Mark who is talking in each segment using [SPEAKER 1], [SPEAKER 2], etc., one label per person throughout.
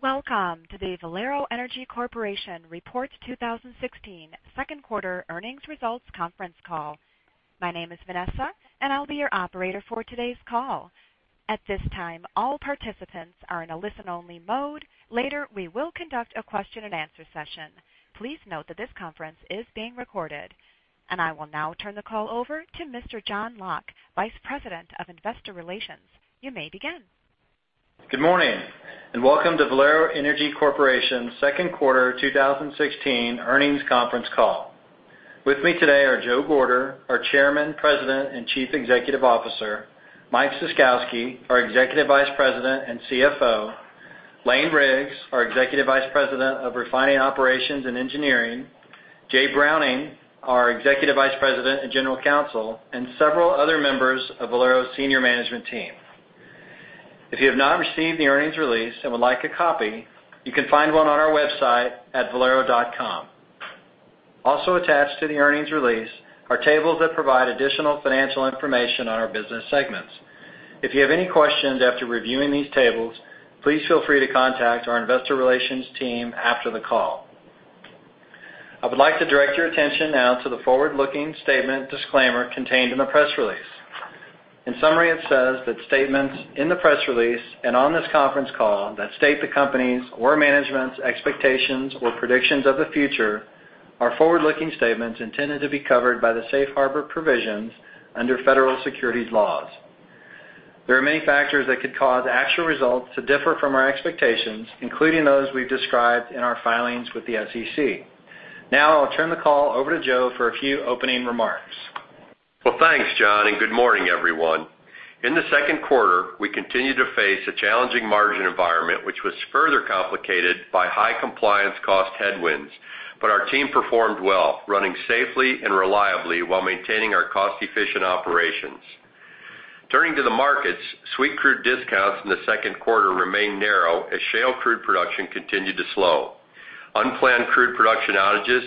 [SPEAKER 1] Welcome to the Valero Energy Corporation 2016 Second Quarter Earnings Results Conference Call. My name is Vanessa and I'll be your operator for today's call. At this time, all participants are in a listen-only mode. Later, we will conduct a question and answer session. Please note that this conference is being recorded. I will now turn the call over to Mr. John Locke, Vice President of Investor Relations. You may begin.
[SPEAKER 2] Good morning, welcome to Valero Energy Corporation Second Quarter 2016 Earnings Conference Call. With me today are Joe Gorder, our Chairman, President, and Chief Executive Officer, Mike Ciskowski, our Executive Vice President and CFO, Lane Riggs, our Executive Vice President of Refining Operations and Engineering, Jay Browning, our Executive Vice President and General Counsel, and several other members of Valero senior management team. If you have not received the earnings release and would like a copy, you can find one on our website at valero.com. Also attached to the earnings release are tables that provide additional financial information on our business segments. If you have any questions after reviewing these tables, please feel free to contact our investor relations team after the call. I would like to direct your attention now to the forward-looking statement disclaimer contained in the press release. In summary, it says that statements in the press release and on this conference call that state the company's or management's expectations or predictions of the future are forward-looking statements intended to be covered by the safe harbor provisions under federal securities laws. There are many factors that could cause actual results to differ from our expectations, including those we've described in our filings with the SEC. Now I'll turn the call over to Joe for a few opening remarks.
[SPEAKER 3] Well, thanks, John, good morning, everyone. In the second quarter, we continued to face a challenging margin environment, which was further complicated by high compliance cost headwinds. Our team performed well, running safely and reliably while maintaining our cost-efficient operations. Turning to the markets, sweet crude discounts in the second quarter remained narrow as shale crude production continued to slow. Unplanned crude production outages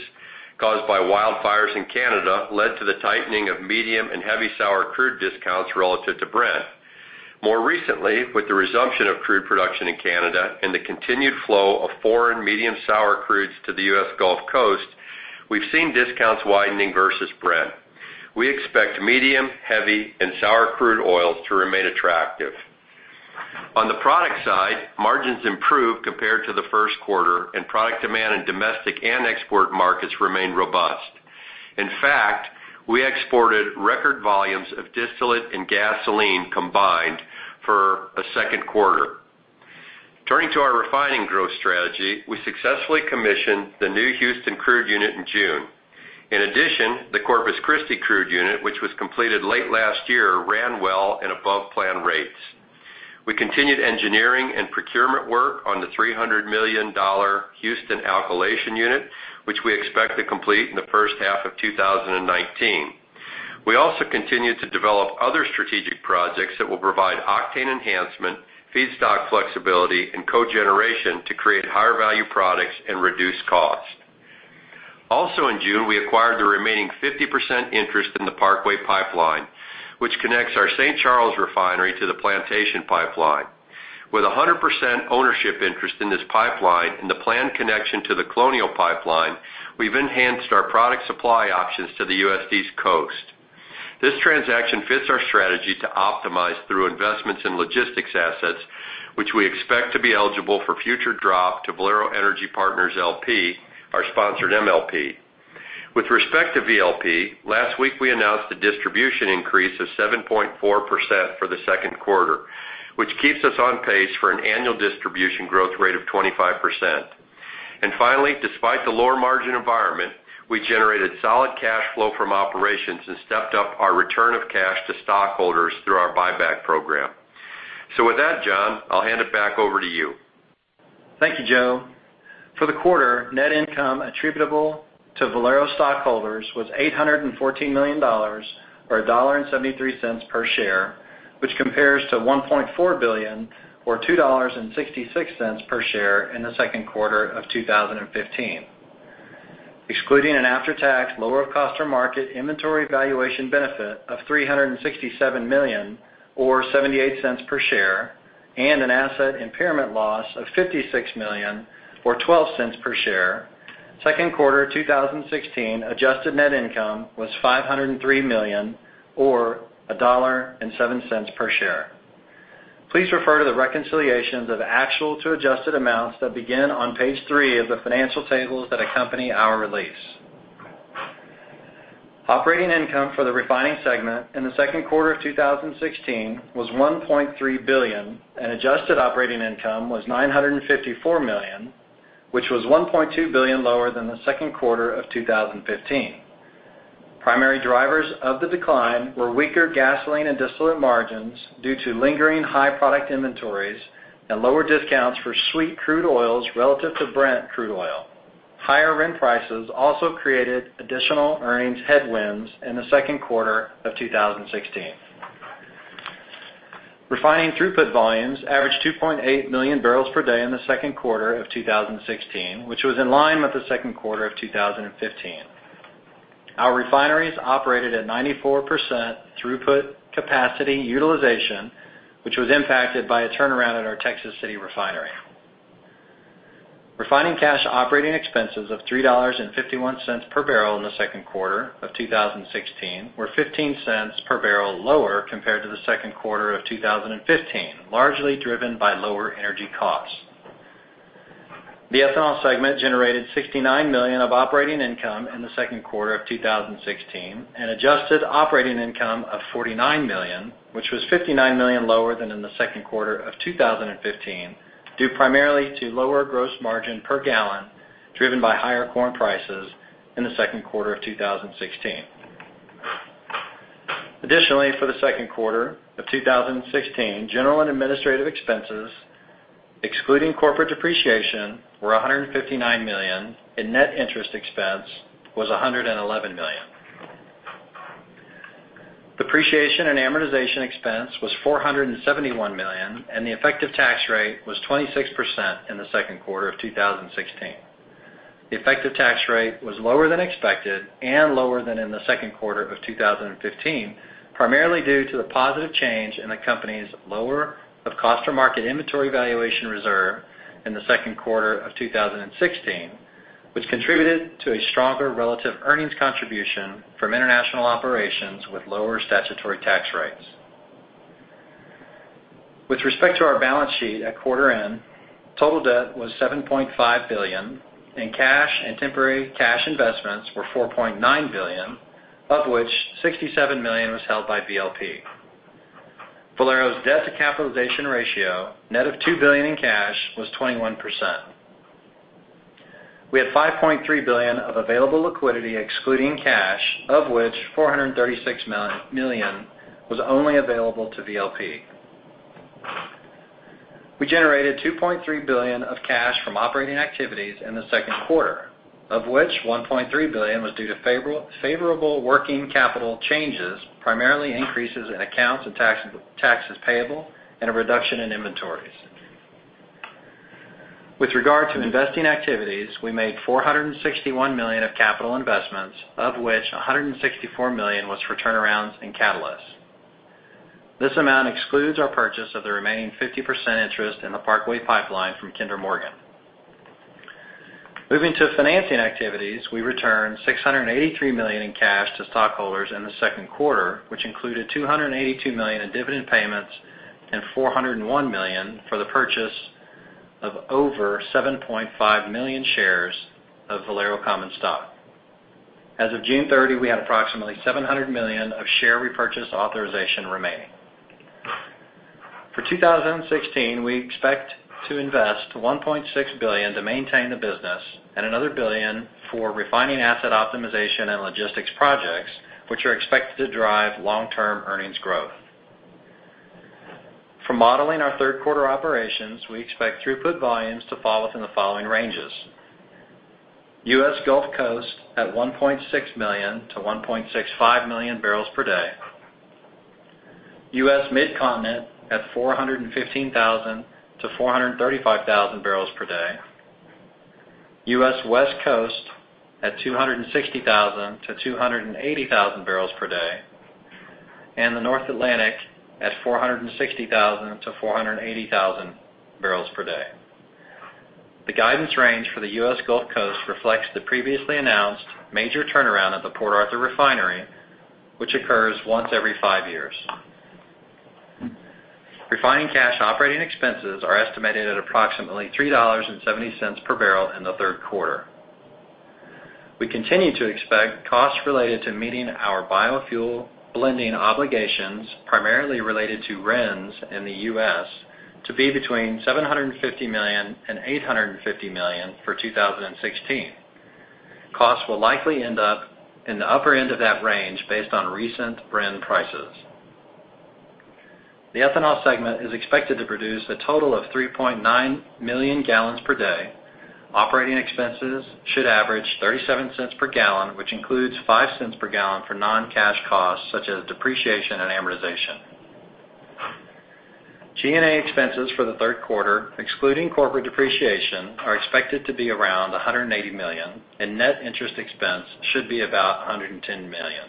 [SPEAKER 3] caused by wildfires in Canada led to the tightening of medium and heavy sour crude discounts relative to Brent. More recently, with the resumption of crude production in Canada and the continued flow of foreign medium sour crudes to the U.S. Gulf Coast, we've seen discounts widening versus Brent. We expect medium, heavy and sour crude oils to remain attractive. On the product side, margins improved compared to the first quarter, product demand in domestic and export markets remained robust. In fact, we exported record volumes of distillate and gasoline combined for a second quarter. Turning to our refining growth strategy, we successfully commissioned the new Houston crude unit in June. In addition, the Corpus Christi crude unit, which was completed late last year, ran well in above-plan rates. We continued engineering and procurement work on the $300 million Houston alkylation unit, which we expect to complete in the first half of 2019. We also continued to develop other strategic projects that will provide octane enhancement, feedstock flexibility, and cogeneration to create higher-value products and reduce cost. In June, we acquired the remaining 50% interest in the Parkway Pipeline, which connects our St. Charles refinery to the Plantation Pipeline. With 100% ownership interest in this pipeline and the planned connection to the Colonial Pipeline, we've enhanced our product supply options to the U.S. East Coast. This transaction fits our strategy to optimize through investments in logistics assets, which we expect to be eligible for future drop to Valero Energy Partners LP, our sponsored MLP. With respect to VLP, last week we announced a distribution increase of 7.4% for the second quarter, which keeps us on pace for an annual distribution growth rate of 25%. Finally, despite the lower margin environment, we generated solid cash flow from operations and stepped up our return of cash to stockholders through our buyback program. With that, John, I'll hand it back over to you.
[SPEAKER 2] Thank you, Joe. For the quarter, net income attributable to Valero stockholders was $814 million, or $1.73 per share, which compares to $1.4 billion, or $2.66 per share in the second quarter of 2015. Excluding an after-tax lower cost or market inventory valuation benefit of $367 million, or $0.78 per share, and an asset impairment loss of $56 million, or $0.12 per share, second quarter 2016 adjusted net income was $503 million, or $1.07 per share. Please refer to the reconciliations of actual to adjusted amounts that begin on page three of the financial tables that accompany our release. Operating income for the refining segment in the second quarter of 2016 was $1.3 billion, and adjusted operating income was $954 million, which was $1.2 billion lower than the second quarter of 2015. Primary drivers of the decline were weaker gasoline and distillate margins due to lingering high product inventories and lower discounts for sweet crude oils relative to Brent crude oil. Higher RIN prices also created additional earnings headwinds in the second quarter of 2016. Refining throughput volumes averaged 2.8 million barrels per day in the second quarter of 2016, which was in line with the second quarter of 2015. Our refineries operated at 94% throughput capacity utilization, which was impacted by a turnaround at our Texas City refinery. Refining cash operating expenses of $3.51 per barrel in the second quarter of 2016 were $0.15 per barrel lower compared to the second quarter of 2015, largely driven by lower energy costs. The ethanol segment generated $69 million of operating income in the second quarter of 2016, and adjusted operating income of $49 million, which was $59 million lower than in the second quarter of 2015, due primarily to lower gross margin per gallon, driven by higher corn prices in the second quarter of 2016. Additionally, for the second quarter of 2016, general and administrative expenses, excluding corporate depreciation, were $159 million, and net interest expense was $111 million. Depreciation and amortization expense was $471 million, and the effective tax rate was 26% in the second quarter of 2016. The effective tax rate was lower than expected and lower than in the second quarter of 2015, primarily due to the positive change in the company's lower of cost or market inventory valuation reserve in the second quarter of 2016, which contributed to a stronger relative earnings contribution from international operations with lower statutory tax rates. With respect to our balance sheet at quarter end, total debt was $7.5 billion, and cash and temporary cash investments were $4.9 billion, of which $67 million was held by VLP. Valero's debt to capitalization ratio, net of $2 billion in cash, was 21%. We had $5.3 billion of available liquidity excluding cash, of which $436 million was only available to VLP. We generated $2.3 billion of cash from operating activities in the second quarter, of which $1.3 billion was due to favorable working capital changes, primarily increases in accounts and taxes payable, and a reduction in inventories. With regard to investing activities, we made $461 million of capital investments, of which $164 million was for turnarounds and catalysts. This amount excludes our purchase of the remaining 50% interest in the Parkway Pipeline from Kinder Morgan. Moving to financing activities, we returned $683 million in cash to stockholders in the second quarter, which included $282 million in dividend payments and $401 million for the purchase of over 7.5 million shares of Valero common stock. As of June 30, we had approximately $700 million of share repurchase authorization remaining. For 2016, we expect to invest $1.6 billion to maintain the business and another $1 billion for refining asset optimization and logistics projects, which are expected to drive long-term earnings growth. For modeling our third quarter operations, we expect throughput volumes to fall within the following ranges: U.S. Gulf Coast at 1.6 million to 1.65 million barrels per day, U.S. Midcontinent at 415,000 to 435,000 barrels per day, U.S. West Coast at 260,000 to 280,000 barrels per day, and the North Atlantic at 460,000 to 480,000 barrels per day. The guidance range for the U.S. Gulf Coast reflects the previously announced major turnaround at the Port Arthur refinery, which occurs once every five years. Refining cash operating expenses are estimated at approximately $3.70 per barrel in the third quarter. We continue to expect costs related to meeting our biofuel blending obligations, primarily related to RINs in the U.S., to be between $750 million and $850 million for 2016. Costs will likely end up in the upper end of that range based on recent RIN prices. The ethanol segment is expected to produce a total of 3.9 million gallons per day. Operating expenses should average $0.37 per gallon, which includes $0.05 per gallon for non-cash costs such as depreciation and amortization. G&A expenses for the third quarter, excluding corporate depreciation, are expected to be around $180 million, and net interest expense should be about $110 million.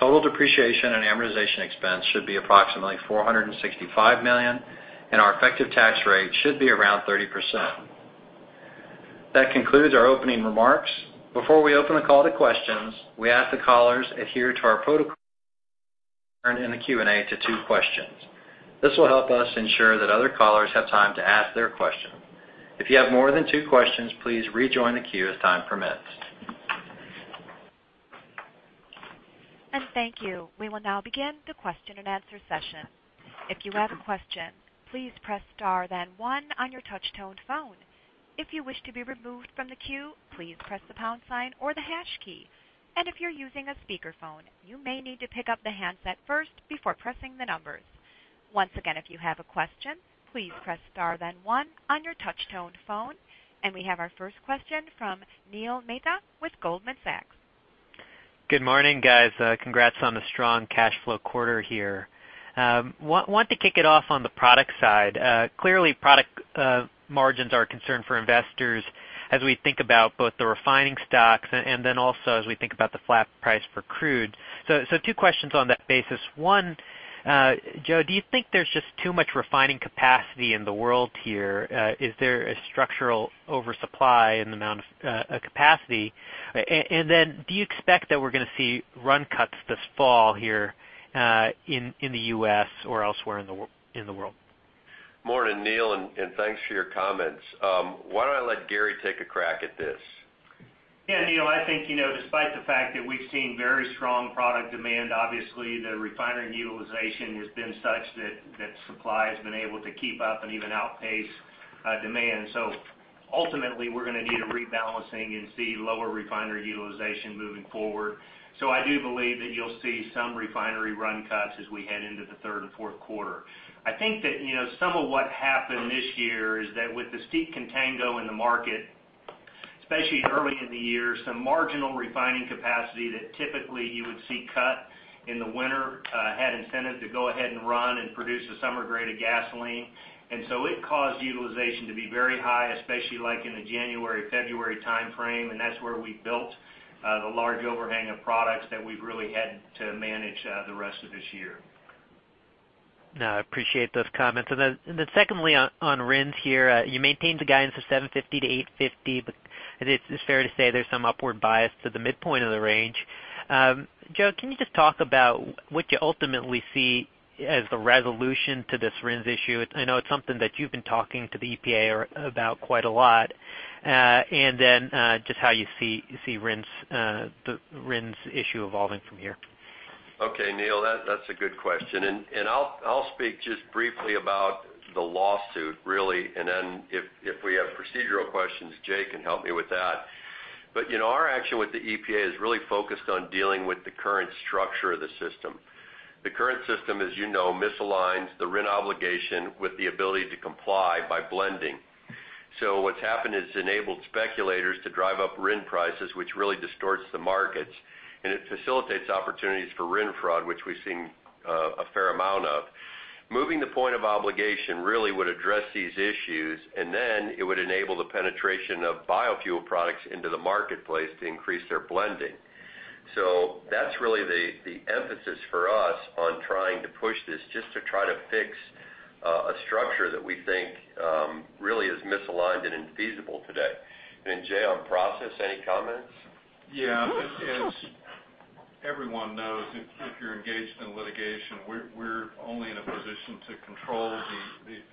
[SPEAKER 2] Total depreciation and amortization expense should be approximately $465 million, and our effective tax rate should be around 30%. That concludes our opening remarks. Before we open the call to questions, we ask that callers adhere to our protocol in the Q&A to two questions. This will help us ensure that other callers have time to ask their questions. If you have more than two questions, please rejoin the queue as time permits.
[SPEAKER 1] Thank you. We will now begin the question and answer session. If you have a question, please press star then one on your touch tone phone. If you wish to be removed from the queue, please press the pound sign or the hash key. If you're using a speakerphone, you may need to pick up the handset first before pressing the numbers. Once again, if you have a question, please press star then one on your touch tone phone. We have our first question from Neil Mehta with Goldman Sachs.
[SPEAKER 4] Good morning, guys. Congrats on the strong cash flow quarter here. Want to kick it off on the product side. Clearly, product margins are a concern for investors as we think about both the refining stocks and then also as we think about the flat price for crude. So two questions on that basis. One, Joe, do you think there's just too much refining capacity in the world here? Is there a structural oversupply in the amount of capacity? Do you expect that we're going to see run cuts this fall here in the U.S. or elsewhere in the world?
[SPEAKER 3] Morning, Neil, thanks for your comments. Why don't I let Gary take a crack at this?
[SPEAKER 5] Yeah, Neil, I think, despite the fact that we've seen very strong product demand, obviously the refinery utilization has been such that supply has been able to keep up and even outpace demand. Ultimately, we're going to need a rebalancing and see lower refinery utilization moving forward. I do believe that you'll see some refinery run cuts as we head into the third and fourth quarter. I think that some of what happened this year is that with the steep contango in the market, especially early in the year, some marginal refining capacity that typically you would see cut in the winter had incentive to go ahead and run and produce a summer grade of gasoline. It caused utilization to be very high, especially in the January, February timeframe. That's where we built the large overhang of products that we've really had to manage the rest of this year.
[SPEAKER 4] No, I appreciate those comments. Secondly, on RINs here, you maintained the guidance of 750-850, but it's fair to say there's some upward bias to the midpoint of the range. Joe, can you just talk about what you ultimately see as the resolution to this RINs issue? I know it's something that you've been talking to the EPA about quite a lot. Just how you see the RINs issue evolving from here.
[SPEAKER 3] Okay, Neil, that's a good question. I'll speak just briefly about the lawsuit, really, and then if we have procedural questions, Jay can help me with that. Our action with the EPA is really focused on dealing with the current structure of the system. The current system, as you know, misaligns the RIN obligation with the ability to comply by blending. What's happened is it's enabled speculators to drive up RIN prices, which really distorts the markets, and it facilitates opportunities for RIN fraud, which we've seen a fair amount of. Moving the point of obligation really would address these issues, it would enable the penetration of biofuel products into the marketplace to increase their blending. That's really the emphasis for us on trying to push this, just to try to fix a structure that we think really is misaligned and infeasible today. Jay, on process, any comments?
[SPEAKER 6] Yeah. As everyone knows, if you're engaged in litigation, we're only in a position to control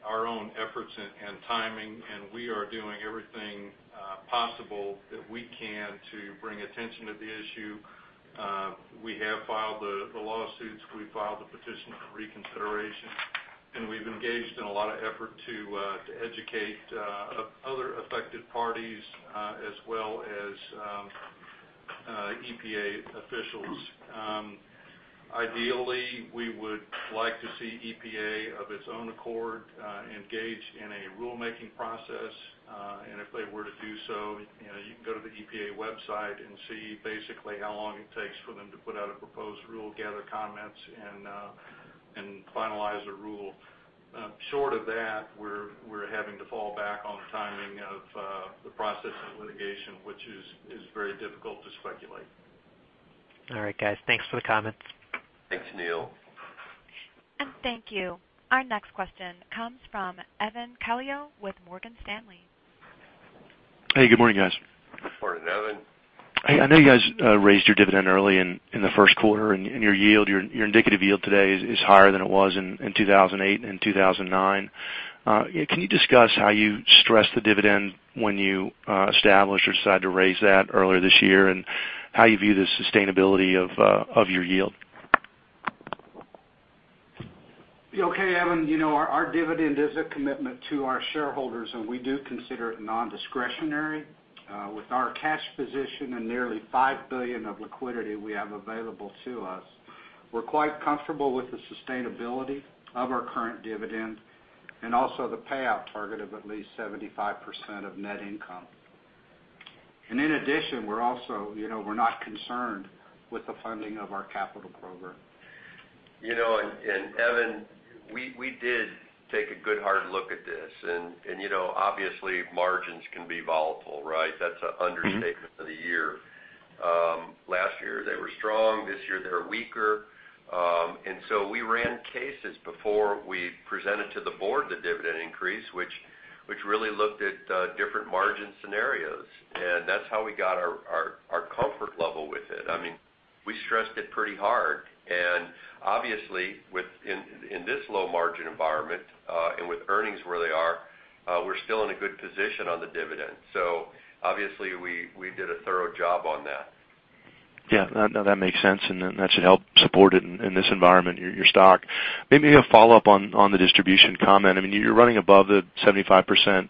[SPEAKER 6] our own efforts and timing, we are doing everything possible that we can to bring attention to the issue. We have filed the lawsuits, we've filed the petition for reconsideration, we've engaged in a lot of effort to educate other affected parties as well as EPA officials. Ideally, we would like to see EPA, of its own accord, engage in a rulemaking process. If they were to do so, you can go to the EPA website and see basically how long it takes for them to put out a proposed rule, gather comments, and finalize a rule. Short of that, we're having to fall back on the timing of the process of litigation, which is very difficult to speculate.
[SPEAKER 4] All right, guys. Thanks for the comments.
[SPEAKER 3] Thanks, Neil.
[SPEAKER 1] Thank you. Our next question comes from Evan Calio with Morgan Stanley.
[SPEAKER 7] Hey, good morning, guys.
[SPEAKER 3] Morning, Evan.
[SPEAKER 7] Hey, I know you guys raised your dividend early in the first quarter, and your indicative yield today is higher than it was in 2008 and 2009. Can you discuss how you stressed the dividend when you established or decided to raise that earlier this year, and how you view the sustainability of your yield?
[SPEAKER 8] Okay, Evan. Our dividend is a commitment to our shareholders, we do consider it non-discretionary. With our cash position and nearly $5 billion of liquidity we have available to us, we're quite comfortable with the sustainability of our current dividend and also the payout target of at least 75% of net income. In addition, we're not concerned with the funding of our capital program.
[SPEAKER 3] Evan, we did take a good hard look at this. Obviously margins can be volatile, right? That's an understatement of the year. Last year they were strong. This year they're weaker. We ran cases before we presented to the board the dividend increase, which really looked at different margin scenarios, that's how we got our comfort level with it. We stressed it pretty hard, obviously in this low margin environment, with earnings where they are, we're still in a good position on the dividend. Obviously we did a thorough job on that.
[SPEAKER 7] Yeah. No, that makes sense, that should help support it in this environment, your stock. Maybe a follow-up on the distribution comment. You're running above the 75%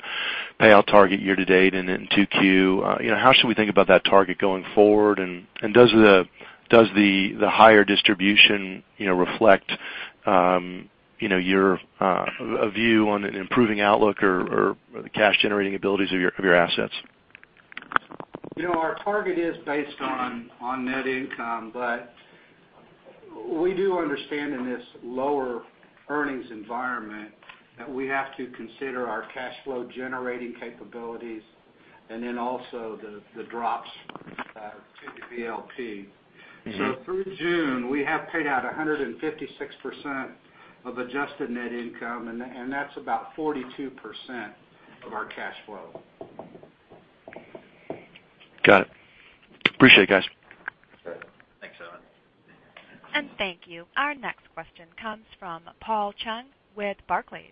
[SPEAKER 7] payout target year to date and in 2Q. How should we think about that target going forward? Does the higher distribution reflect Your view on an improving outlook or the cash-generating abilities of your assets?
[SPEAKER 8] Our target is based on net income, but we do understand in this lower earnings environment that we have to consider our cash flow generating capabilities and then also the drops to the VLP. Through June, we have paid out 156% of adjusted net income, and that's about 42% of our cash flow.
[SPEAKER 7] Got it. Appreciate it, guys.
[SPEAKER 3] Thanks, Evan.
[SPEAKER 1] Thank you. Our next question comes from Paul Cheng with Barclays.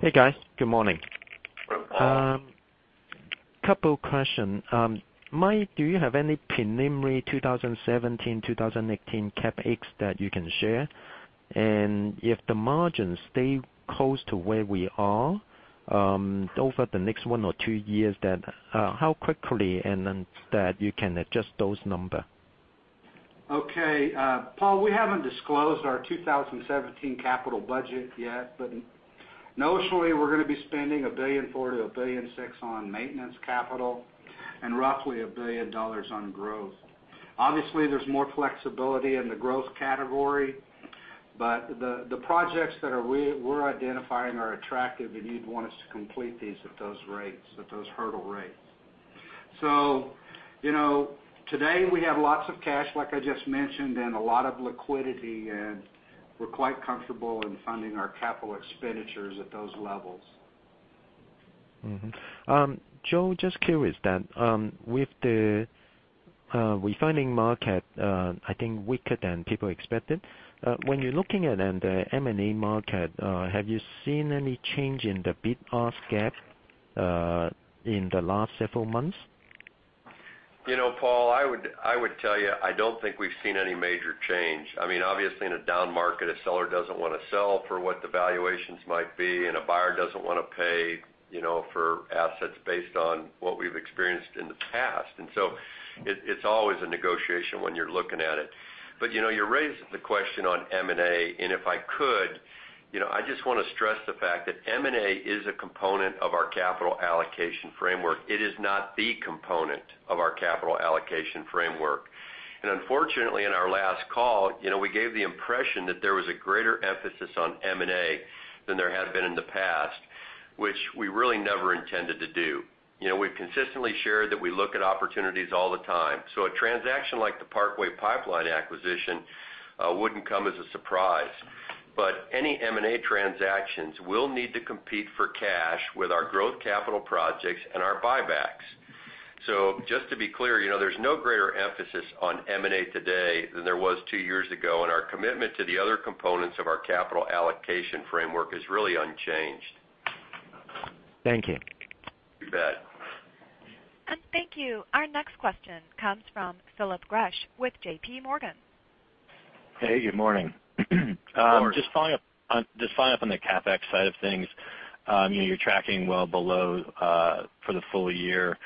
[SPEAKER 9] Hey, guys. Good morning.
[SPEAKER 8] Good morning.
[SPEAKER 9] A couple questions. Mike, do you have any preliminary 2017, 2018 CapEx that you can share? If the margins stay close to where we are over the next one or two years, then how quickly in advance that you can adjust those numbers?
[SPEAKER 8] Okay. Paul, we haven't disclosed our 2017 capital budget yet, notionally, we're going to be spending $1.4 billion-$1.6 billion on maintenance capital and roughly $1 billion on growth. Obviously, there's more flexibility in the growth category, the projects that we're identifying are attractive, and you'd want us to complete these at those hurdle rates. Today, we have lots of cash, like I just mentioned, and a lot of liquidity, and we're quite comfortable in funding our capital expenditures at those levels.
[SPEAKER 9] Joe, just curious then, with the refining market, I think weaker than people expected. When you're looking at the M&A market, have you seen any change in the bid-ask gap in the last several months?
[SPEAKER 3] Paul, I would tell you, I don't think we've seen any major change. Obviously, in a down market, a seller doesn't want to sell for what the valuations might be, and a buyer doesn't want to pay for assets based on what we've experienced in the past. It's always a negotiation when you're looking at it. You raised the question on M&A, and if I could, I just want to stress the fact that M&A is a component of our capital allocation framework. It is not the component of our capital allocation framework. Unfortunately, in our last call, we gave the impression that there was a greater emphasis on M&A than there had been in the past, which we really never intended to do. We've consistently shared that we look at opportunities all the time. A transaction like the Parkway Pipeline acquisition wouldn't come as a surprise. Any M&A transactions will need to compete for cash with our growth capital projects and our buybacks. Just to be clear, there's no greater emphasis on M&A today than there was two years ago, and our commitment to the other components of our capital allocation framework is really unchanged.
[SPEAKER 9] Thank you.
[SPEAKER 3] You bet.
[SPEAKER 1] Thank you. Our next question comes from Phil Gresh with JPMorgan.
[SPEAKER 10] Hey, good morning.
[SPEAKER 8] Good morning.
[SPEAKER 10] Just following up on the CapEx side of things. You're tracking well below for the full year.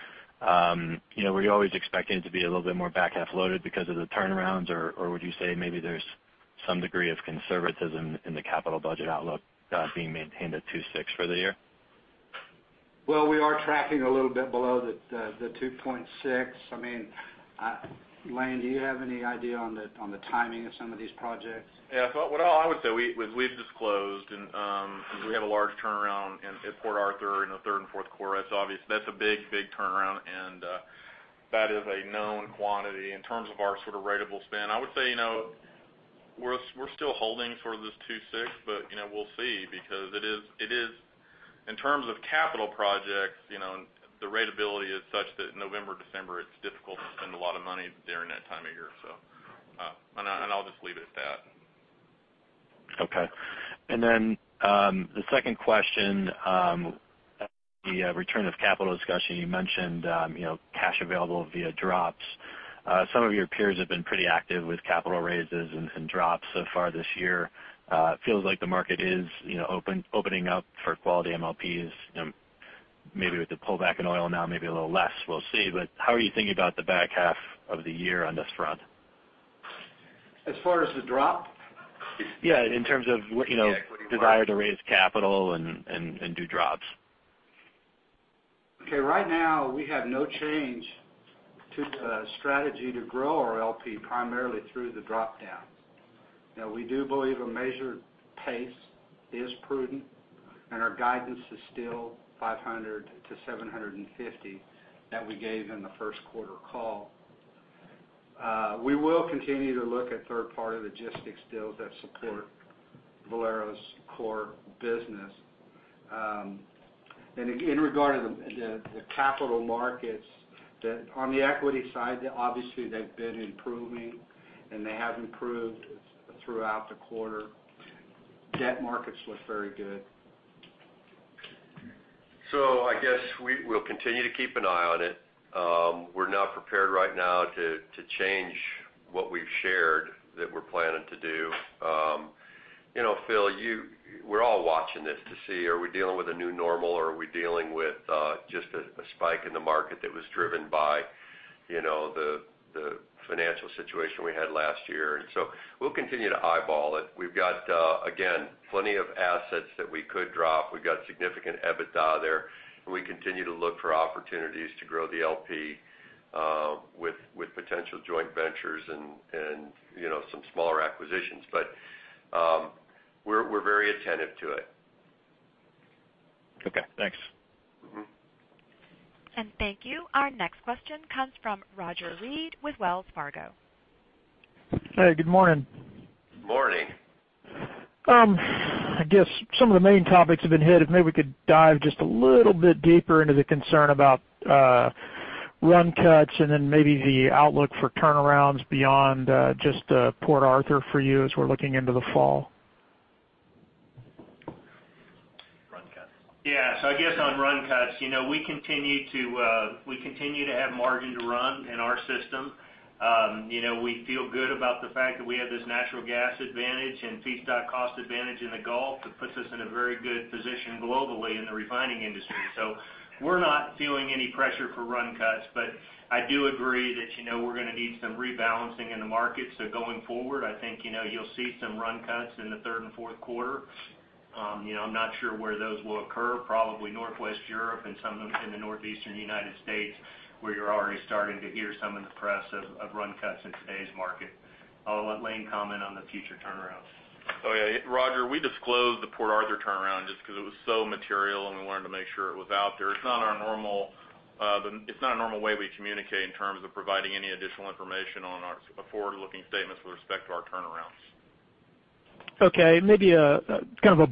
[SPEAKER 10] Were you always expecting it to be a little bit more back-half loaded because of the turnarounds? Or would you say maybe there's some degree of conservatism in the capital budget outlook being maintained at $2.6 for the year?
[SPEAKER 8] Well, we are tracking a little bit below the $2.6. Lane, do you have any idea on the timing of some of these projects?
[SPEAKER 11] Yeah. I thought what all I would say, we've disclosed, since we have a large turnaround in Port Arthur in the third and fourth quarter, that's a big turnaround, and that is a known quantity. In terms of our ratable spend, I would say, we're still holding sort of this 2.6, but we'll see because it is, in terms of capital projects, the ratability is such that November, December, it's difficult to spend a lot of money during that time of year. I'll just leave it at that.
[SPEAKER 10] Okay. The second question, the return of capital discussion, you mentioned cash available via drops. Some of your peers have been pretty active with capital raises and drops so far this year. It feels like the market is opening up for quality MLPs, maybe with the pullback in oil now, maybe a little less. We'll see. How are you thinking about the back half of the year on this front?
[SPEAKER 8] As far as the drop?
[SPEAKER 10] Yeah, in terms of
[SPEAKER 8] The equity drops
[SPEAKER 10] desire to raise capital and do drops.
[SPEAKER 8] Okay. Right now, we have no change to the strategy to grow our LP primarily through the drop-down. We do believe a measured pace is prudent, and our guidance is still 500 to 750 that we gave in the first quarter call. We will continue to look at third-party logistics deals that support Valero's core business. In regard to the capital markets, on the equity side, obviously they've been improving, and they have improved throughout the quarter. Debt markets look very good.
[SPEAKER 3] I guess we'll continue to keep an eye on it. We're not prepared right now to change what we've shared that we're planning to do. Phil, you We're all watching this to see, are we dealing with a new normal or are we dealing with just a spike in the market that was driven by the financial situation we had last year? We'll continue to eyeball it. We've got, again, plenty of assets that we could drop. We've got significant EBITDA there, and we continue to look for opportunities to grow the LP with potential joint ventures and some smaller acquisitions. We're very attentive to it.
[SPEAKER 10] Okay, thanks.
[SPEAKER 1] Thank you. Our next question comes from Roger Read with Wells Fargo.
[SPEAKER 12] Hey, good morning.
[SPEAKER 3] Morning.
[SPEAKER 12] I guess some of the main topics have been hit. If maybe we could dive just a little bit deeper into the concern about run cuts and then maybe the outlook for turnarounds beyond just Port Arthur for you as we're looking into the fall.
[SPEAKER 11] Run cuts.
[SPEAKER 5] Yeah. I guess on run cuts, we continue to have margin to run in our system. We feel good about the fact that we have this natural gas advantage and feedstock cost advantage in the Gulf that puts us in a very good position globally in the refining industry. We're not feeling any pressure for run cuts, but I do agree that we're going to need some rebalancing in the market. Going forward, I think you'll see some run cuts in the third and fourth quarter. I'm not sure where those will occur, probably Northwest Europe and some of them in the Northeastern U.S., where you're already starting to hear some in the press of run cuts in today's market. I'll let Lane comment on the future turnarounds.
[SPEAKER 11] Yeah. Roger, we disclosed the Port Arthur turnaround just because it was so material, and we wanted to make sure it was out there. It's not our normal way we communicate in terms of providing any additional information on our forward-looking statements with respect to our turnarounds.
[SPEAKER 12] Okay, maybe a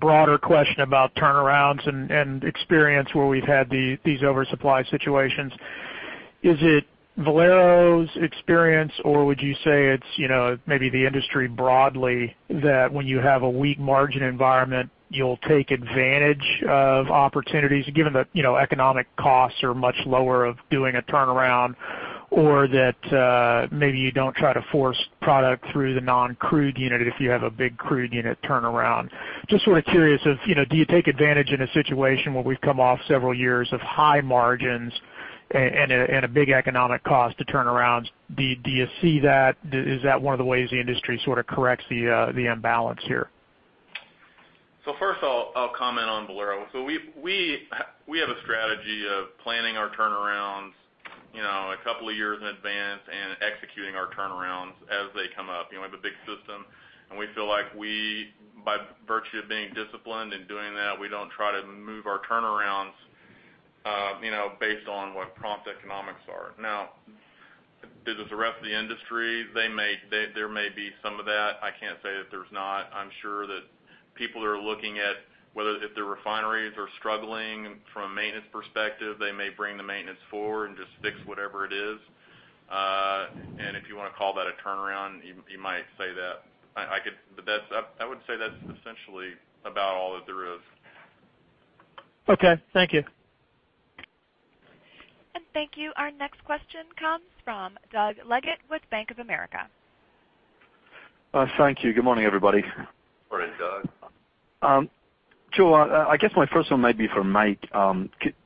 [SPEAKER 12] broader question about turnarounds and experience where we've had these oversupply situations. Is it Valero's experience or would you say it's maybe the industry broadly, that when you have a weak margin environment, you'll take advantage of opportunities given that economic costs are much lower of doing a turnaround? Or that maybe you don't try to force product through the non-crude unit if you have a big crude unit turnaround? Just curious if, do you take advantage in a situation where we've come off several years of high margins and a big economic cost to turn around? Do you see that is that one of the ways the industry corrects the imbalance here?
[SPEAKER 11] First, I'll comment on Valero. We have a strategy of planning our turnarounds a couple of years in advance and executing our turnarounds as they come up. We have a big system, and we feel like we, by virtue of being disciplined and doing that, we don't try to move our turnarounds based on what prompt economics are. Now, as the rest of the industry, there may be some of that. I can't say that there's not. I'm sure that people are looking at whether if the refineries are struggling from a maintenance perspective, they may bring the maintenance forward and just fix whatever it is. If you want to call that a turnaround, you might say that. I would say that's essentially about all that there is.
[SPEAKER 12] Okay. Thank you.
[SPEAKER 1] Thank you. Our next question comes from Doug Leggate with Bank of America.
[SPEAKER 13] Thank you. Good morning, everybody.
[SPEAKER 3] Morning, Doug.
[SPEAKER 13] Joe, I guess my first one might be for Mike.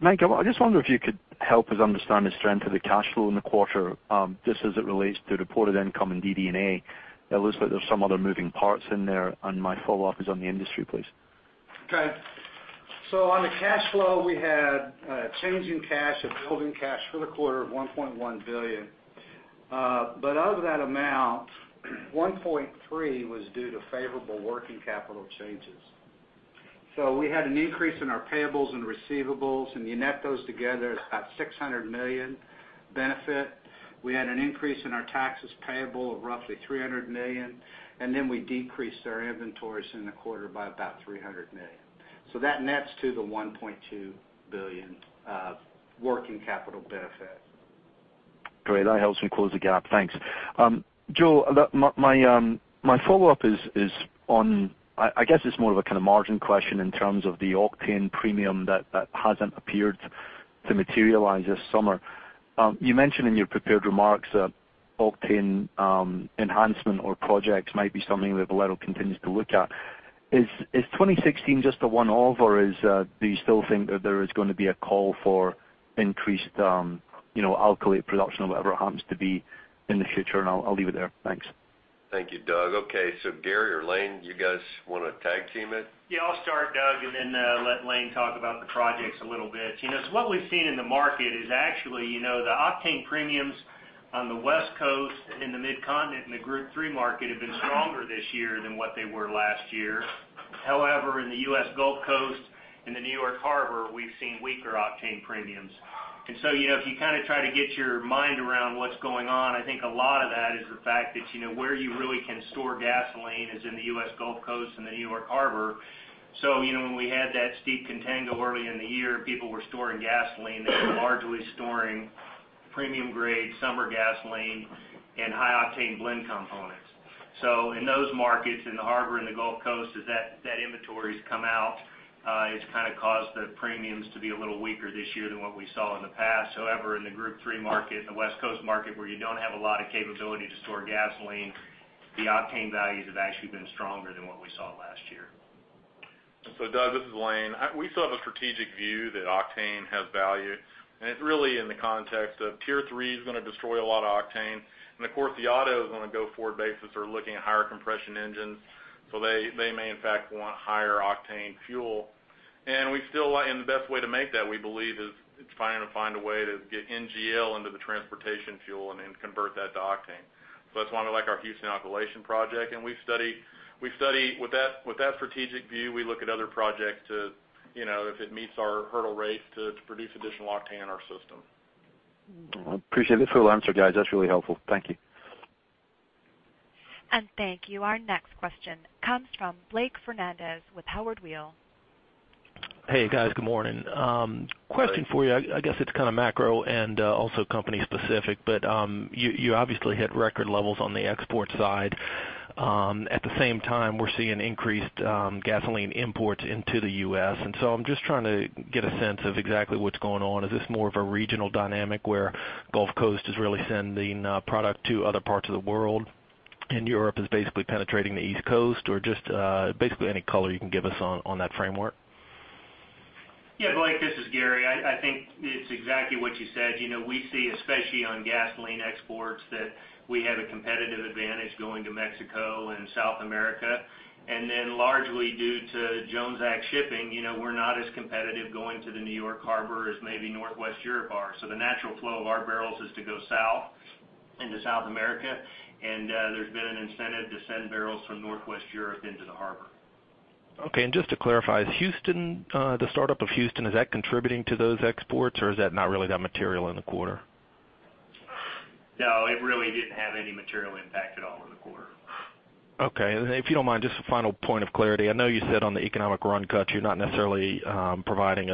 [SPEAKER 13] Mike, I just wonder if you could help us understand the strength of the cash flow in the quarter, just as it relates to reported income and DD&A. It looks like there's some other moving parts in there. My follow-up is on the industry, please.
[SPEAKER 8] Okay. On the cash flow, we had a change in cash, a build in cash for the quarter of $1.1 billion. Of that amount, $1.3 was due to favorable working capital changes. We had an increase in our payables and receivables, and you net those together, it's about $600 million benefit. We had an increase in our taxes payable of roughly $300 million, and then we decreased our inventories in the quarter by about $300 million. That nets to the $1.2 billion working capital benefit.
[SPEAKER 13] Great. That helps me close the gap. Thanks. Joe, my follow-up is on, I guess it's more of a margin question in terms of the octane premium that hasn't appeared to materialize this summer. You mentioned in your prepared remarks that octane enhancement or projects might be something that Valero continues to look at. Is 2016 just a one-off, or do you still think that there is going to be a call for increased alkylate production or whatever it happens to be in the future? I'll leave it there. Thanks.
[SPEAKER 11] Thank you, Doug. Okay, Gary or Lane, you guys want to tag team it?
[SPEAKER 5] I'll start, Doug, and then let Lane talk about the projects a little bit. What we've seen in the market is actually the octane premiums on the West Coast and the Mid-Continent and the Group 3 market have been stronger this year than what they were last year. However, in the U.S. Gulf Coast and the New York Harbor, we've seen weaker octane premiums. If you try to get your mind around what's going on, I think a lot of that is the fact that where you really can store gasoline is in the U.S. Gulf Coast and the New York Harbor. When we had that steep contango early in the year, people were storing gasoline. They were largely storing premium grade summer gasoline and high octane blend components. In those markets, in the harbor and the Gulf Coast, as that inventory has come out It's kind of caused the premiums to be a little weaker this year than what we saw in the past. However, in the Group 3 market, in the West Coast market, where you don't have a lot of capability to store gasoline, the octane values have actually been stronger than what we saw last year.
[SPEAKER 11] Doug, this is Lane. We still have a strategic view that octane has value, and it's really in the context of Tier 3 is going to destroy a lot of octane. Of course, the autos on a go-forward basis are looking at higher compression engines. They may in fact want higher octane fuel. The best way to make that, we believe, is trying to find a way to get NGL into the transportation fuel and then convert that to octane. That's why we like our Houston alkylation project. With that strategic view, we look at other projects to, if it meets our hurdle rates, to produce additional octane in our system.
[SPEAKER 13] I appreciate it. Good full answer, guys. That's really helpful. Thank you.
[SPEAKER 1] Thank you. Our next question comes from Blake Fernandez with Howard Weil.
[SPEAKER 14] Hey, guys. Good morning.
[SPEAKER 3] Blake.
[SPEAKER 14] Question for you, I guess it's kind of macro and also company specific, but you obviously hit record levels on the export side. At the same time, we're seeing increased gasoline imports into the U.S., and so I'm just trying to get a sense of exactly what's going on. Is this more of a regional dynamic where Gulf Coast is really sending product to other parts of the world, and Europe is basically penetrating the East Coast? Just basically any color you can give us on that framework.
[SPEAKER 5] Yeah, Blake, this is Gary. I think it's exactly what you said. We see, especially on gasoline exports, that we have a competitive advantage going to Mexico and South America. Largely due to Jones Act shipping, we're not as competitive going to the New York Harbor as maybe Northwest Europe are. The natural flow of our barrels is to go south into South America, and there's been an incentive to send barrels from Northwest Europe into the harbor.
[SPEAKER 14] Okay. Just to clarify, the startup of Houston, is that contributing to those exports, or is that not really that material in the quarter?
[SPEAKER 5] No, it really didn't have any material impact at all in the quarter.
[SPEAKER 14] Okay. If you don't mind, just a final point of clarity. I know you said on the economic run cuts, you're not necessarily providing,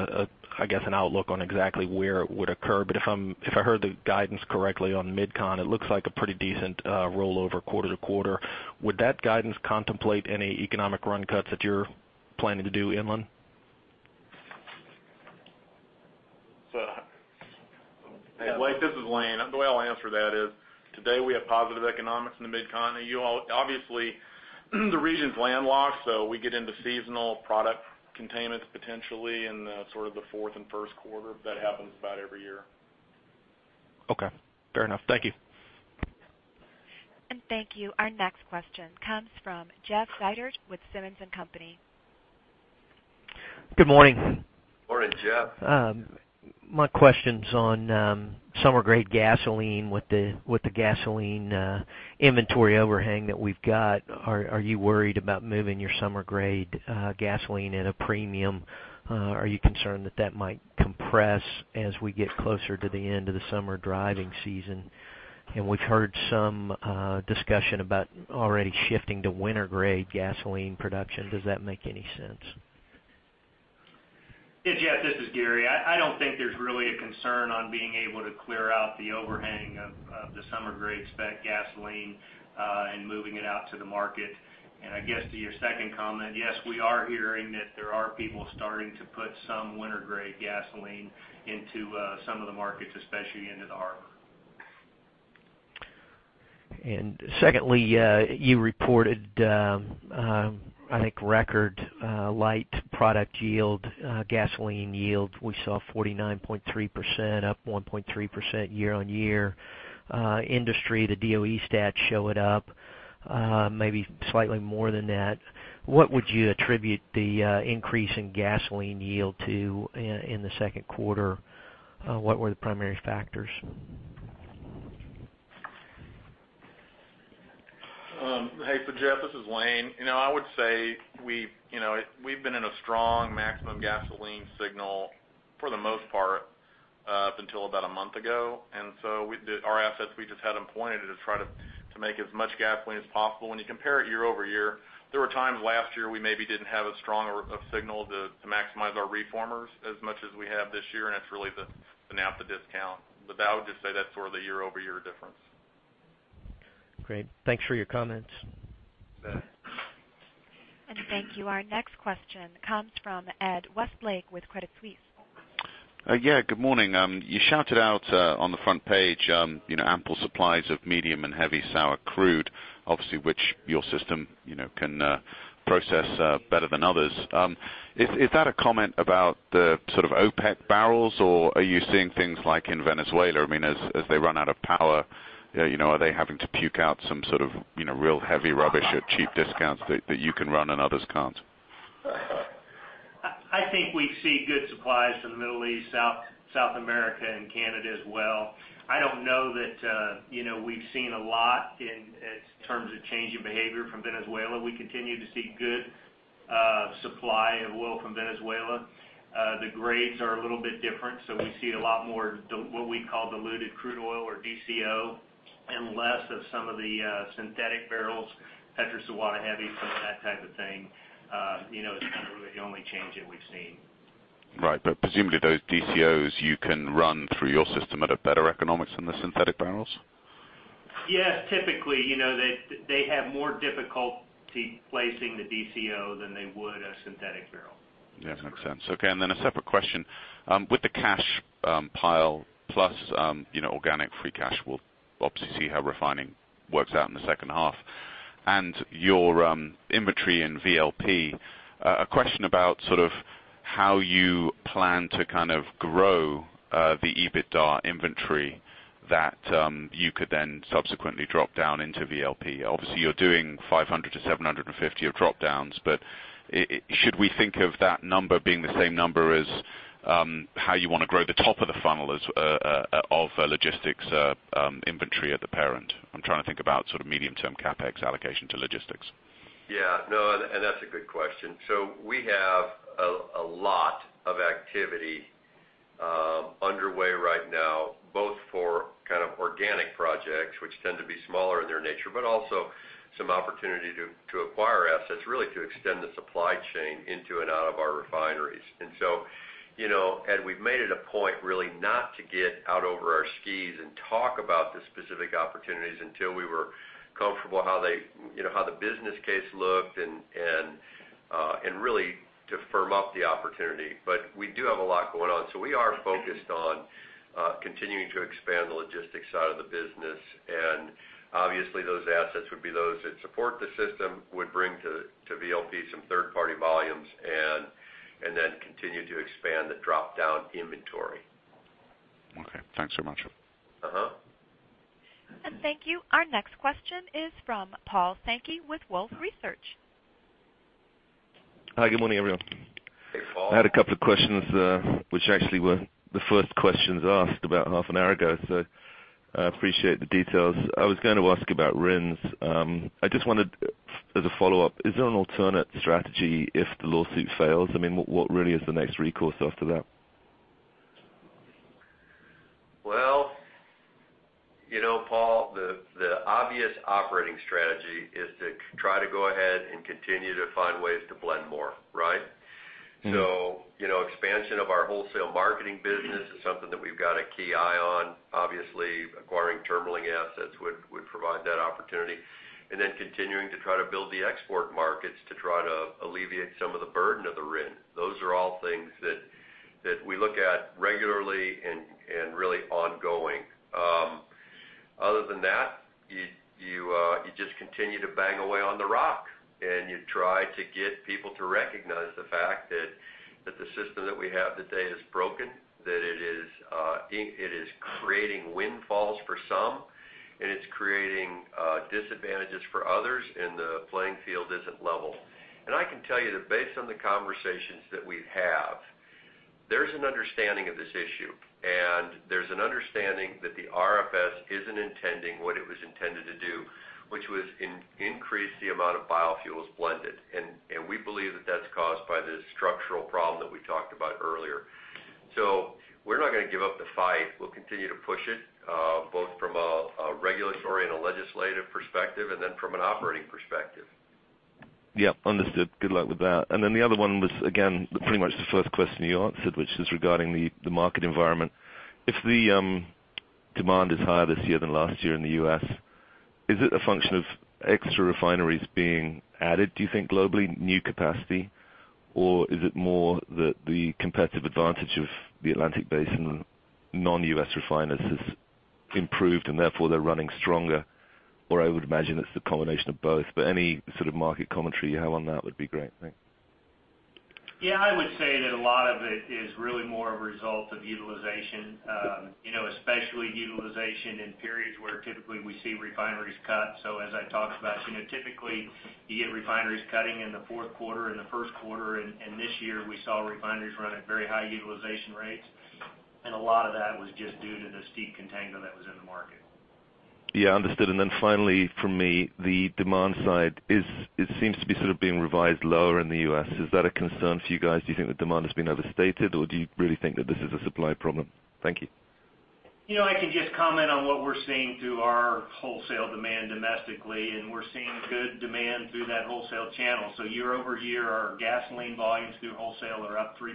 [SPEAKER 14] I guess, an outlook on exactly where it would occur. But if I heard the guidance correctly on MidCon, it looks like a pretty decent rollover quarter-to-quarter. Would that guidance contemplate any economic run cuts that you're planning to do inland?
[SPEAKER 11] Hey, Blake, this is Lane. The way I'll answer that is, today we have positive economics in the MidCon. Obviously, the region's landlocked, so we get into seasonal product containments potentially in the fourth and first quarter. That happens about every year.
[SPEAKER 14] Okay. Fair enough. Thank you.
[SPEAKER 1] Thank you. Our next question comes from Jeff Dietert with Simmons & Company.
[SPEAKER 15] Good morning.
[SPEAKER 3] Morning, Jeff.
[SPEAKER 15] My question's on summer grade gasoline. With the gasoline inventory overhang that we've got, are you worried about moving your summer grade gasoline at a premium? Are you concerned that that might compress as we get closer to the end of the summer driving season? We've heard some discussion about already shifting to winter-grade gasoline production. Does that make any sense?
[SPEAKER 5] Hey, Jeff, this is Gary. I don't think there's really a concern on being able to clear out the overhang of the summer grade spec gasoline and moving it out to the market. I guess to your second comment, yes, we are hearing that there are people starting to put some winter-grade gasoline into some of the markets, especially into the harbor.
[SPEAKER 15] Secondly, you reported, I think, record light product yield, gasoline yield. We saw 49.3%, up 1.3% year-on-year. Industry, the DOE stats show it up maybe slightly more than that. What would you attribute the increase in gasoline yield to in the second quarter? What were the primary factors?
[SPEAKER 11] Hey. Jeff, this is Lane. I would say we've been in a strong maximum gasoline signal for the most part up until about a month ago. Our assets, we just had them pointed to try to make as much gasoline as possible. When you compare it year-over-year, there were times last year we maybe didn't have as strong a signal to maximize our reformers as much as we have this year, and it's really the naphtha discount. That, I would just say that's sort of the year-over-year difference.
[SPEAKER 15] Great. Thanks for your comments.
[SPEAKER 11] You bet.
[SPEAKER 1] Thank you. Our next question comes from Edward Westlake with Credit Suisse.
[SPEAKER 16] Yeah, good morning. You shouted out on the front page ample supplies of medium and heavy sour crude, obviously, which your system can process better than others. Is that a comment about the sort of OPEC barrels, or are you seeing things like in Venezuela? As they run out of power, are they having to puke out some sort of real heavy rubbish at cheap discounts that you can run and others can't?
[SPEAKER 5] I think we see good supplies from the Middle East, South America, and Canada as well. I don't know that we've seen a lot in terms of change in behavior from Venezuela. We continue to see good supply of oil from Venezuela. The grades are a little bit different, so we see a lot more what we call diluted crude oil, or DCO, and less of some of the synthetic barrels, Petrozuata heavy, some of that type of thing. It's kind of really the only change that we've seen.
[SPEAKER 16] Right. Presumably, those DCOs you can run through your system at a better economics than the synthetic barrels?
[SPEAKER 5] Yes, typically. They have more difficulty placing the DCO than they would a synthetic barrel.
[SPEAKER 16] Yeah, makes sense. Okay, a separate question. With the cash pile plus organic free cash flow, we'll obviously see how refining works out in the second half, and your inventory in VLP. A question about how you plan to grow the EBITDA inventory that you could then subsequently drop down into VLP. Obviously, you're doing $500-$750 of drop-downs, should we think of that number being the same number as how you want to grow the top of the funnel of logistics inventory at the parent? I'm trying to think about medium-term CapEx allocation to logistics.
[SPEAKER 3] Yeah. No, that's a good question. We have a lot of activity underway right now, both for organic projects, which tend to be smaller in their nature, but also some opportunity to acquire assets, really to extend the supply chain into and out of our refineries. We've made it a point really not to get out over our skis and talk about the specific opportunities until we were comfortable how the business case looked, and really to firm up the opportunity. We do have a lot going on. We are focused on continuing to expand the logistics side of the business, obviously those assets would be those that support the system, would bring to VLP some third-party volumes, continue to expand the drop-down inventory.
[SPEAKER 16] Okay. Thanks so much.
[SPEAKER 1] Thank you. Our next question is from Paul Sankey with Wolfe Research.
[SPEAKER 17] Hi, good morning, everyone.
[SPEAKER 3] Hey, Paul.
[SPEAKER 17] I had a couple of questions, which actually were the first questions asked about half an hour ago, so I appreciate the details. I was going to ask about RINs. I just wanted, as a follow-up, is there an alternate strategy if the lawsuit fails? What really is the next recourse after that?
[SPEAKER 3] Paul, the obvious operating strategy is to try to go ahead and continue to find ways to blend more, right? Expansion of our wholesale marketing business is something that we've got a key eye on. Obviously, acquiring terminaling assets would provide that opportunity, then continuing to try to build the export markets to try to alleviate some of the burden of the RIN. Those are all things that we look at regularly and really ongoing. Other than that, you just continue to bang away on the rock, and you try to get people to recognize the fact that the system that we have today is broken, that it is creating windfalls for some, and it's creating disadvantages for others, and the playing field isn't level. I can tell you that based on the conversations that we've had, there's an understanding of this issue, and there's an understanding that the RFS isn't intending what it was intended to do, which was increase the amount of biofuels blended. We believe that that's caused by the structural problem that we talked about earlier. We're not going to give up the fight. We'll continue to push it, both from a regulatory and a legislative perspective, then from an operating perspective.
[SPEAKER 17] Yep. Understood. Good luck with that. Then the other one was, again, pretty much the first question you answered, which is regarding the market environment. If the demand is higher this year than last year in the U.S., is it a function of extra refineries being added, do you think, globally, new capacity? Is it more that the competitive advantage of the Atlantic Basin non-U.S. refiners has improved and therefore they're running stronger? I would imagine it's the combination of both, but any sort of market commentary you have on that would be great. Thanks.
[SPEAKER 5] I would say that a lot of it is really more a result of utilization, especially utilization in periods where typically we see refineries cut. As I talked about, typically you get refineries cutting in the fourth quarter and the first quarter, this year we saw refineries run at very high utilization rates. A lot of that was just due to the steep contango that was in the market.
[SPEAKER 17] Yeah, understood. Then finally from me, the demand side. It seems to be sort of being revised lower in the U.S. Is that a concern for you guys? Do you think the demand has been overstated, or do you really think that this is a supply problem? Thank you.
[SPEAKER 5] I can just comment on what we're seeing through our wholesale demand domestically, we're seeing good demand through that wholesale channel. Year-over-year, our gasoline volumes through wholesale are up 3%,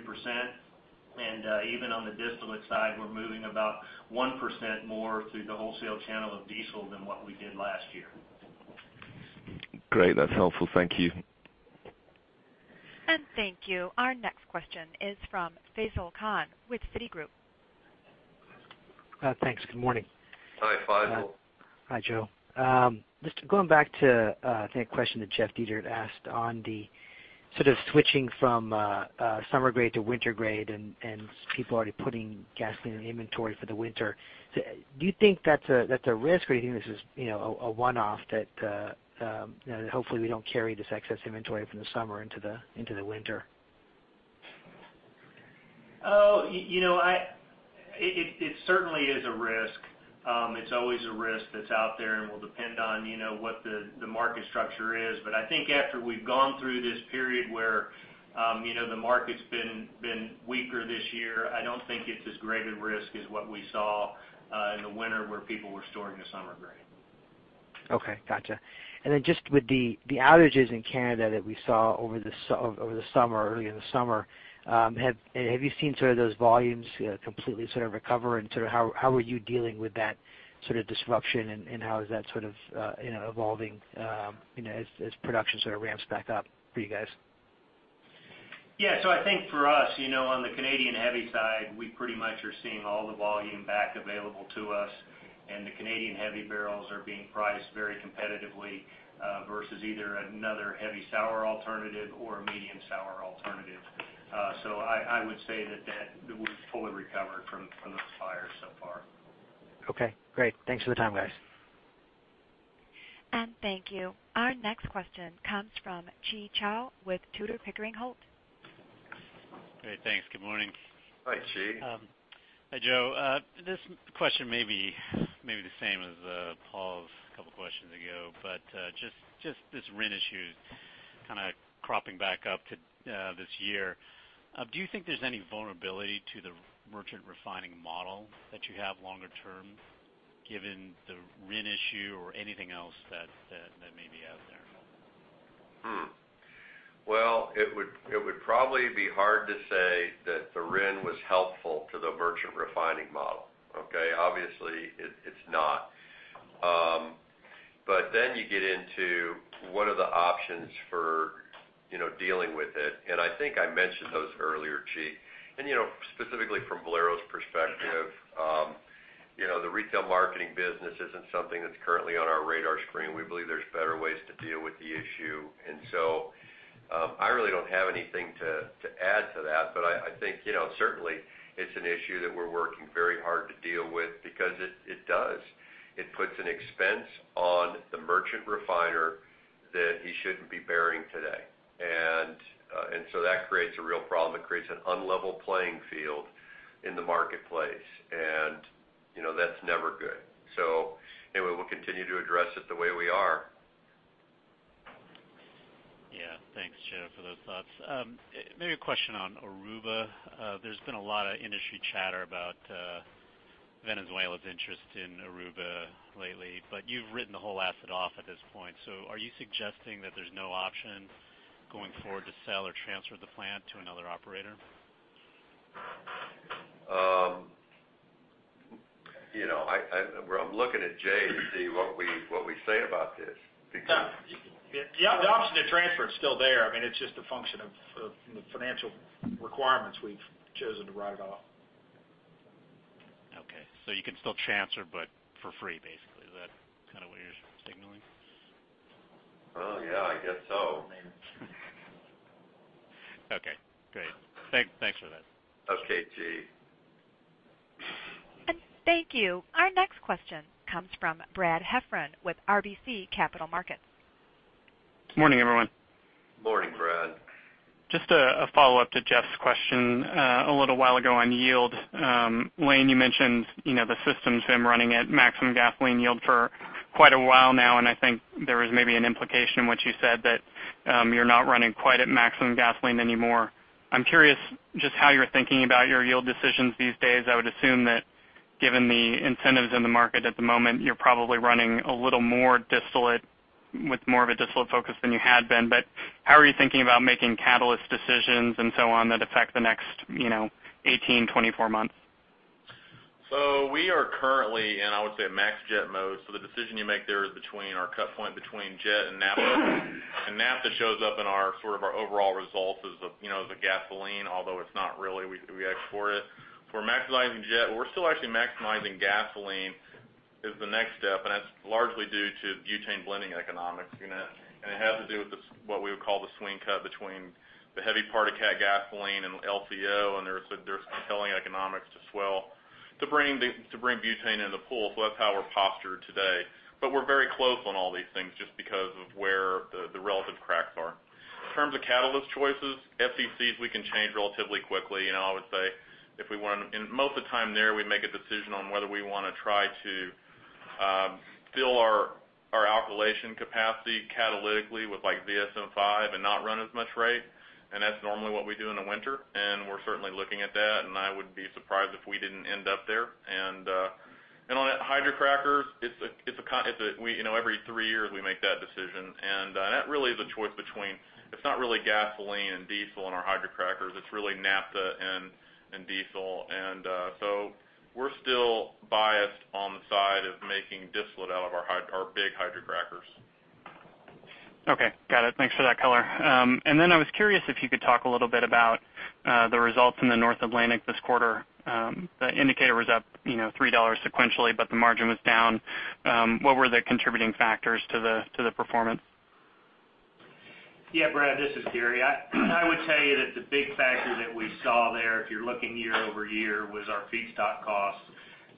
[SPEAKER 5] even on the distillate side, we're moving about 1% more through the wholesale channel of diesel than what we did last year.
[SPEAKER 17] Great. That's helpful. Thank you.
[SPEAKER 1] Thank you. Our next question is from Faisel Khan with Citigroup.
[SPEAKER 18] Thanks. Good morning.
[SPEAKER 3] Hi, Faisel.
[SPEAKER 18] Hi, Joe. Just going back to, I think, a question that Jeff Dietert asked on the sort of switching from summer grade to winter grade and people already putting gasoline in inventory for the winter. Do you think that's a risk, or do you think this is a one-off that hopefully we don't carry this excess inventory from the summer into the winter?
[SPEAKER 5] It certainly is a risk. It's always a risk that's out there and will depend on what the market structure is. I think after we've gone through this period where the market's been weaker this year, I don't think it's as great a risk as what we saw in the winter where people were storing the summer grade.
[SPEAKER 18] Okay, got you. Just with the outages in Canada that we saw earlier in the summer, have you seen those volumes completely recover? How are you dealing with that disruption? How is that evolving as production ramps back up for you guys?
[SPEAKER 5] Yeah. I think for us, on the Canadian heavy side, we pretty much are seeing all the volume back available to us, the Canadian heavy barrels are being priced very competitively versus either another heavy sour alternative or a medium sour alternative. I would say that we've fully recovered from the fire so far.
[SPEAKER 18] Okay, great. Thanks for the time, guys.
[SPEAKER 1] Thank you. Our next question comes from Chi Chow with Tudor, Pickering Holt.
[SPEAKER 19] Great. Thanks. Good morning.
[SPEAKER 3] Hi, Chi.
[SPEAKER 19] Hi, Joe. This question may be the same as Paul's a couple of questions ago, but just this RIN issue kind of cropping back up this year. Do you think there's any vulnerability to the merchant refining model that you have longer term, given the RIN issue or anything else that may be out there?
[SPEAKER 3] It would probably be hard to say that the RIN was helpful to the merchant refining model. Okay. Obviously, it's not. You get into what are the options for dealing with it. I think I mentioned those earlier, Chi. Specifically from Valero's perspective, the retail marketing business isn't something that's currently on our radar screen. We believe there's better ways to deal with the issue. I really don't have anything to add to that. I think, certainly, it's an issue that we're working very hard to deal with because it does. It puts an expense on the merchant refiner that he shouldn't be bearing today. That creates a real problem. It creates an unlevel playing field in the marketplace, and that's never good. Anyway, we'll continue to address it the way we are.
[SPEAKER 19] Yeah. Thanks, Joe, for those thoughts. Maybe a question on Aruba. There's been a lot of industry chatter about Venezuela's interest in Aruba lately, you've written the whole asset off at this point. Are you suggesting that there's no option going forward to sell or transfer the plant to another operator?
[SPEAKER 3] I'm looking at Jay to see what we say about this.
[SPEAKER 6] No. The option to transfer is still there. It's just a function of the financial requirements. We've chosen to write it off.
[SPEAKER 19] Okay. You can still transfer, but for free, basically. Is that what you're signaling?
[SPEAKER 3] Well, yeah, I guess so.
[SPEAKER 6] Maybe.
[SPEAKER 19] Okay, great. Thanks for that.
[SPEAKER 3] Okay, Chi.
[SPEAKER 1] Thank you. Our next question comes from Brad Heffern with RBC Capital Markets.
[SPEAKER 20] Good morning, everyone.
[SPEAKER 3] Morning, Brad.
[SPEAKER 20] Just a follow-up to Jeff's question a little while ago on yield. Lane, you mentioned the systems have been running at maximum gasoline yield for quite a while now, I think there was maybe an implication in what you said that you're not running quite at maximum gasoline anymore. I'm curious just how you're thinking about your yield decisions these days. I would assume that given the incentives in the market at the moment, you're probably running a little more distillate with more of a distillate focus than you had been. How are you thinking about making catalyst decisions and so on that affect the next 18, 24 months?
[SPEAKER 11] We are currently in, I would say, max jet mode. The decision you make there is between our cut point between jet and naphtha. Naphtha shows up in our overall results as a gasoline, although it's not really. We export it. If we're maximizing jet, we're still actually maximizing gasoline is the next step, and that's largely due to butane blending economics. It has to do with what we would call the swing cut between the heavy part of cat gasoline and LCO, and there's compelling economics to swell to bring butane into the pool. That's how we're postured today. We're very close on all these things just because of where the relative cracks are. In terms of catalyst choices, FCCs we can change relatively quickly. I would say most of the time there, we make a decision on whether we want to try to fill our alkylation capacity catalytically with ZSM-5 and not run as much rate. That's normally what we do in the winter, and we're certainly looking at that, and I wouldn't be surprised if we didn't end up there. On hydrocrackers, every three years we make that decision, and that really is a choice between it's not really gasoline and diesel in our hydrocrackers. It's really naphtha and diesel. We're still biased on the side of making distillate out of our big hydrocrackers.
[SPEAKER 20] Okay, got it. Thanks for that color. I was curious if you could talk a little bit about the results in the North Atlantic this quarter. The indicator was up $3 sequentially, but the margin was down. What were the contributing factors to the performance?
[SPEAKER 5] Yeah, Brad, this is Gary. I would tell you that the big factor that we saw there, if you're looking year-over-year, was our feedstock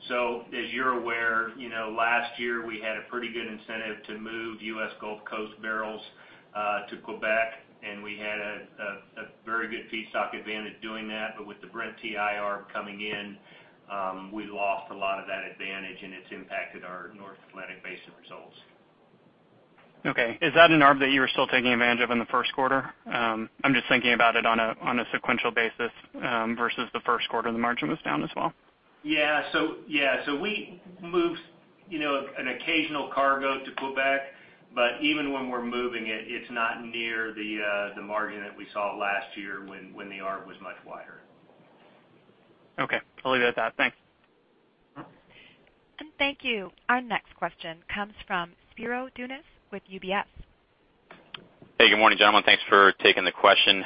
[SPEAKER 5] cost. As you're aware, last year we had a pretty good incentive to move U.S. Gulf Coast barrels to Quebec, and we had a very good feedstock advantage doing that. With the Brent TIR coming in, we lost a lot of that advantage, and it's impacted our North Atlantic basin results.
[SPEAKER 20] Okay. Is that an arb that you were still taking advantage of in the first quarter? I'm just thinking about it on a sequential basis versus the first quarter, the margin was down as well.
[SPEAKER 5] Yeah. We moved an occasional cargo to Quebec, but even when we're moving it's not near the margin that we saw last year when the arb was much wider.
[SPEAKER 20] Okay. I'll leave it at that. Thanks.
[SPEAKER 1] Thank you. Our next question comes from Spiro Dounis with UBS.
[SPEAKER 21] Hey, good morning, gentlemen. Thanks for taking the question.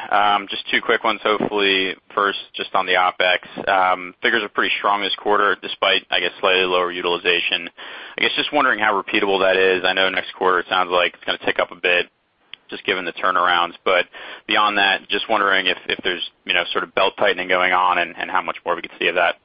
[SPEAKER 21] Just two quick ones, hopefully. First, just on the OpEx. Figures are pretty strong this quarter, despite, I guess, slightly lower utilization. I guess, just wondering how repeatable that is. I know next quarter it sounds like it's going to tick up a bit, just given the turnarounds. Beyond that, just wondering if there's sort of belt-tightening going on and how much more we could see of that.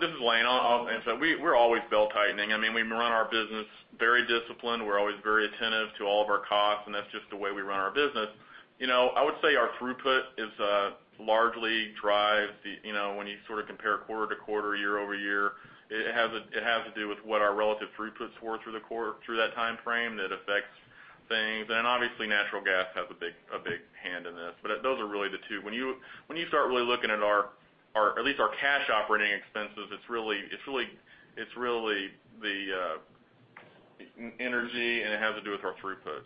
[SPEAKER 11] This is Lane. I'll answer that. We're always belt tightening. We run our business very disciplined. We're always very attentive to all of our costs, and that's just the way we run our business. I would say our throughput is largely when you sort of compare quarter-to-quarter, year-over-year, it has to do with what our relative throughputs were through that timeframe that affects things. Obviously, natural gas has a big hand in this. Those are really the two. When you start really looking at at least our cash operating expenses, it's really the energy, and it has to do with our throughput.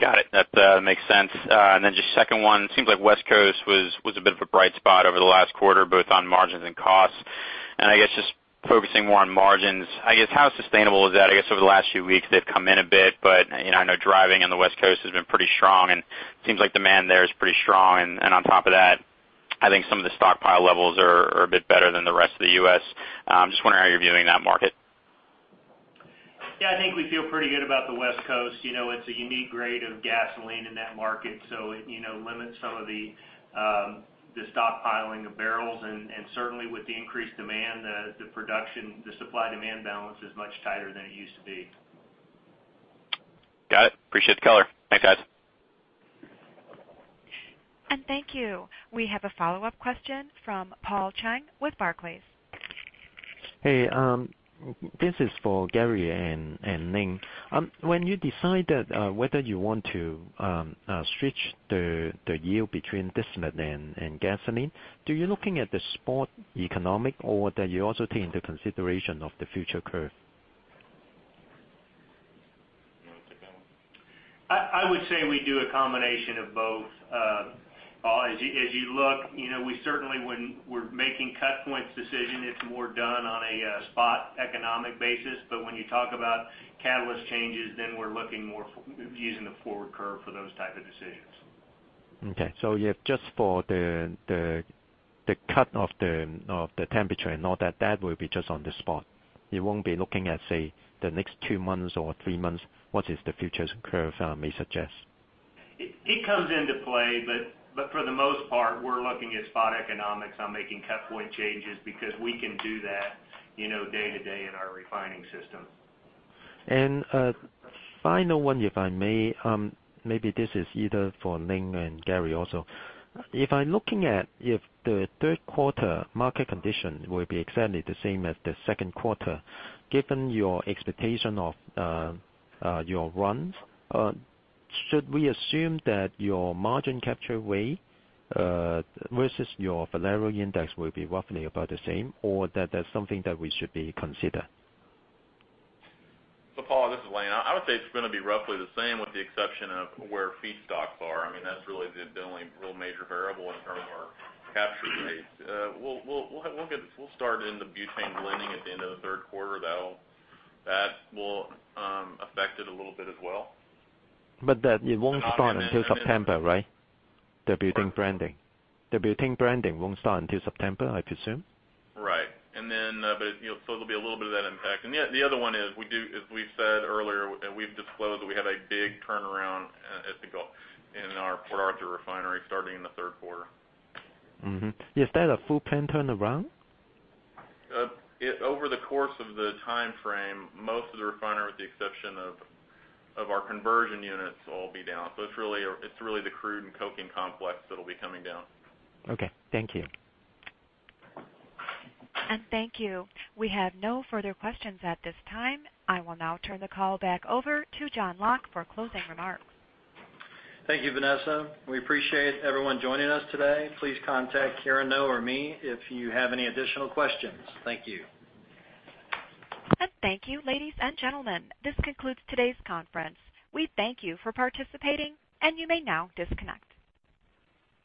[SPEAKER 21] Got it. That makes sense. Just second one, it seems like West Coast was a bit of a bright spot over the last quarter, both on margins and costs. I guess, just focusing more on margins, I guess, how sustainable is that? I guess over the last few weeks, they've come in a bit, but I know driving on the West Coast has been pretty strong, and it seems like demand there is pretty strong. On top of that, I think some of the stockpile levels are a bit better than the rest of the U.S. I'm just wondering how you're viewing that market.
[SPEAKER 5] I think we feel pretty good about the West Coast. It's a unique grade of gasoline in that market, so it limits some of the stockpiling of barrels. Certainly with the increased demand, the supply-demand balance is much tighter than it used to be.
[SPEAKER 21] Got it. Appreciate the color. Thanks, guys.
[SPEAKER 1] Thank you. We have a follow-up question from Paul Cheng with Barclays.
[SPEAKER 9] Hey. This is for Gary and Lane. When you decide that whether you want to switch the yield between distillate and gasoline, do you looking at the spot economics or that you also take into consideration of the future curve?
[SPEAKER 11] You want to take that one?
[SPEAKER 5] I would say we do a combination of both. Paul, as you look, we certainly when we're making cut points decision, it's more done on a spot economic basis, but when you talk about catalyst changes, then we're looking more using the forward curve for those type of decisions.
[SPEAKER 9] Okay. If just for the cut of the temperature and all that will be just on the spot. You won't be looking at, say, the next two months or three months, what is the futures curve may suggest?
[SPEAKER 5] It comes into play, but for the most part, we're looking at spot economics on making cut point changes because we can do that day to day in our refining system.
[SPEAKER 9] A final one, if I may. Maybe this is either for Ling and Gary also. If I'm looking at if the third quarter market condition will be exactly the same as the second quarter, given your expectation of your runs, should we assume that your margin capture rate versus your Valero index will be roughly about the same, or that that's something that we should be consider?
[SPEAKER 11] Paul, this is Lane. I would say it's going to be roughly the same with the exception of where feedstocks are. That's really the only real major variable in terms of our capture rates. We'll start into butane blending at the end of the third quarter. That will affect it a little bit as well.
[SPEAKER 9] That it won't start until September, right? The butane blending. The butane blending won't start until September, I presume.
[SPEAKER 11] Right. There'll be a little bit of that impact. The other one is, as we said earlier, we've disclosed that we have a big turnaround in our Port Arthur refinery starting in the third quarter.
[SPEAKER 9] Is that a full plant turnaround?
[SPEAKER 11] Over the course of the timeframe, most of the refinery, with the exception of our conversion units, will all be down. It's really the crude and coking complex that'll be coming down.
[SPEAKER 9] Okay. Thank you.
[SPEAKER 1] Thank you. We have no further questions at this time. I will now turn the call back over to John Locke for closing remarks.
[SPEAKER 2] Thank you, Vanessa. We appreciate everyone joining us today. Please contact Karen Ngo or me if you have any additional questions. Thank you.
[SPEAKER 1] Thank you, ladies and gentlemen. This concludes today's conference. We thank you for participating, and you may now disconnect.